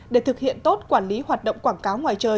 để thực hiện tốt quản lý hoạt động quảng cáo ngoài trời